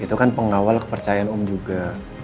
itu kan pengawal kepercayaan om juga